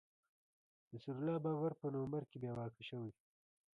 نصیر الله بابر په نومبر کي بې واکه شوی